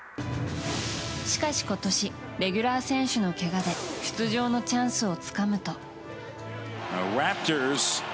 しかし、今年レギュラー選手のけがで出場のチャンスをつかむと。